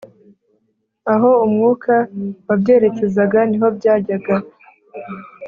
Aho umwuka wabyerekezaga ni ho byajyaga